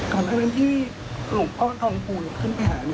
ก่อนทั้งนั้นที่หลวงพ่อทองภูลขึ้นไปหา